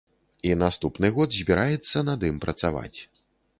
І наступны год збіраецца над ім працаваць.